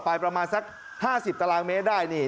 ประมาณสัก๕๐ตารางเมตรได้นี่